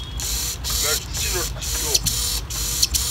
Mer tessin, ur tetteddu.